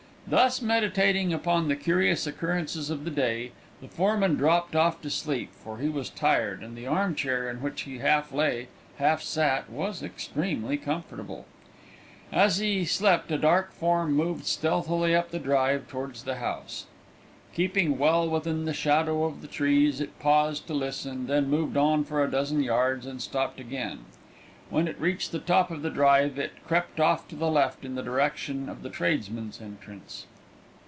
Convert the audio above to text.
Thus meditating upon the curious occurrences of the day, the foreman dropped off to sleep, for he was tired, and the armchair, in which he half lay, half sat, was extremely comfortable. As he slept a dark form moved stealthily up the drive towards the house. Keeping well within the shadow of the trees, it paused to listen, then moved on for a dozen yards and stopped again. When it reached the top of the drive it crept off to the left in the direction of the tradesmen's entrance.